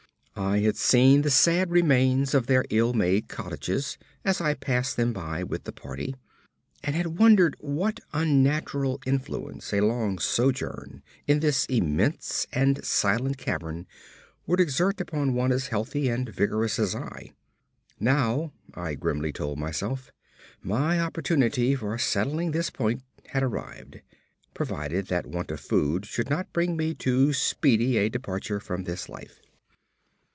I had seen the sad remains of their ill made cottages as I passed them by with the party, and had wondered what unnatural influence a long sojourn in this immense and silent cavern would exert upon one as healthy and vigorous as I. Now, I grimly told myself, my opportunity for settling this point had arrived, provided that want of food should not bring me too speedy a departure from this life.